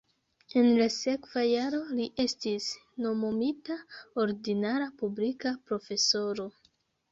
En la sekva jaro li estis nomumita ordinara publika profesoro.